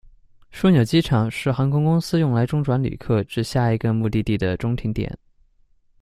枢纽机场是航空公司用来中转旅客至下一个目的地的中停点。